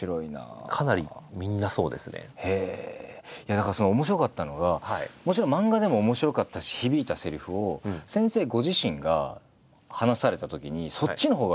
だから面白かったのがもちろん漫画でも面白かったし響いたせりふを先生ご自身が話されたときにそっちのほうがやっぱぐっとくるんですよ。